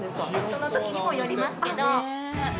そのときにもよりますけど。